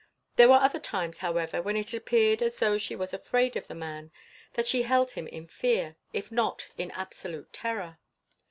There were other times, however, when it appeared as though she was afraid of the man, that she held him in fear, if not in absolute terror.